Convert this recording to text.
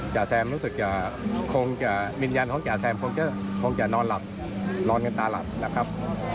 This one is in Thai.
จ่าแซมมินยันของจ่าแซมคงจะนอนกันตาหลับนะครับ